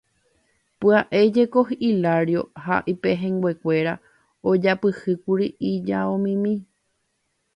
Pya'e jeko Hilario ha ipehẽnguekuéra ojapyhýkuri ijaomimi.